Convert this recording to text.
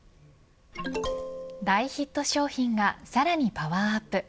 大ヒット商品がさらにパワーアップ。